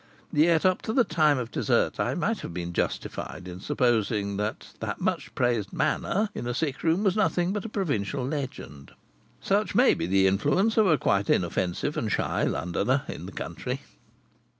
Yet up to the time of dessert I might have been justified in supposing that that much praised "manner" in a sick room was nothing but a provincial legend. Such may be the influence of a quite inoffensive and shy Londoner in the country.